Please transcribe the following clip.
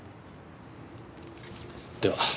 では。